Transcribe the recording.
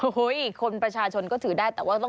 คนประชาชนก็ถือได้แต่ว่าต้อง